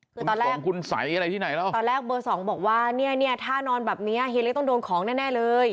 คือตอนแรกของคุณสัยอะไรที่ไหนแล้วตอนแรกเบอร์สองบอกว่าเนี่ยเนี่ยถ้านอนแบบนี้เฮียเล็กต้องโดนของแน่เลย